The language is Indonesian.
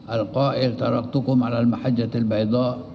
al qair taraktukum ala almahajjatil bayda a